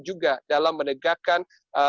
juga dalam menegakkan